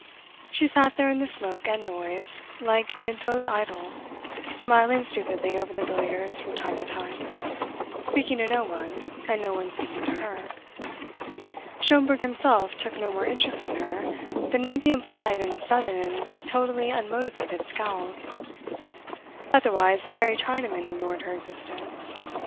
She sat there in the smoke and noise, like an enthroned idol, smiling stupidly over the billiards from time to time, speaking to no one, and no one speaking to her. Schomberg himself took no more interest in her than may be implied in a sudden and totally unmotived scowl. Otherwise the very Chinamen ignored her existence.